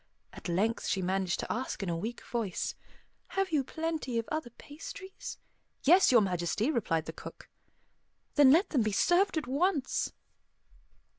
At length she managed to ask in a weak voice, "Have you plenty of other pastries?" "Yes, Your Majesty," replied the cook. "Then let them be served at once."